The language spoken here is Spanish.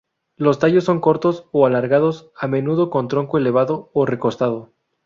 Los tallos son cortos o alargados, a menudo con tronco elevado o recostado.